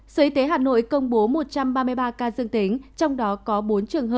sở y tế hà nội công bố một trăm ba mươi ba ca dương tính